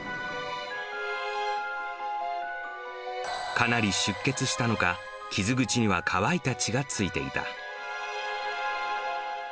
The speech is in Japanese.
かなり出血したのか、傷口には乾いた血がついていた。